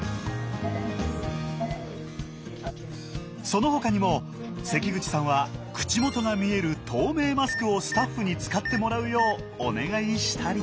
そのほかにも関口さんは口元が見える透明マスクをスタッフに使ってもらうようお願いしたり。